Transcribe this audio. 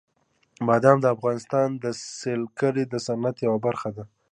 بادام د افغانستان د سیلګرۍ د صنعت یوه برخه ده.